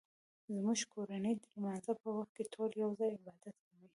زموږ کورنۍ د لمانځه په وخت ټول یو ځای عبادت کوي